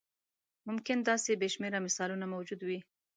ممکن داسې بې شمېره مثالونه موجود وي.